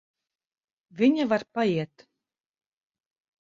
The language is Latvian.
Viņa var paiet.